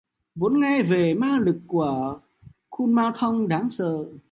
vốn nghe về ma lực của Kumanthong đáng sợ